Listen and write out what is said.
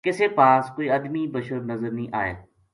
کسے پاس کو ئی ادمی بشر نظر نیہہ آئے